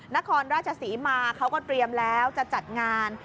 นครราชศรีมาเขาก็เตรียมแล้วจะจัดงาน